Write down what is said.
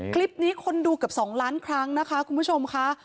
คลิปนี้คนดูเกือบ๒ล้านครั้งนะคะคุณผู้ชมค่ะ